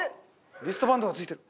リストバンドが着いてる！